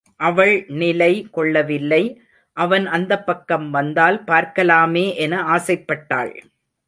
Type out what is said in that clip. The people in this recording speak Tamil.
அவள் நிலை கொள்ளவில்லை அவன் அந்தப்பக்கம் வந்தால் பார்க்கலாமே என ஆசைப்பட்டாள்.